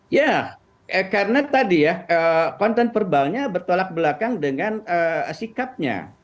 ya karena tadi ya konten perbalnya bertolak belakang dengan sikapnya